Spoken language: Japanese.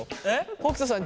北斗さん